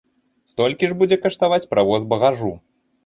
Столькі ж будзе каштаваць правоз багажу.